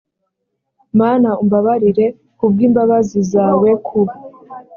mana umbabarire ku bw imbabazi zawe ku